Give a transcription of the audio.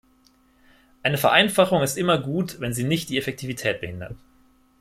Eine Vereinfachung ist immer gut, wenn sie nicht die Effektivität behindert.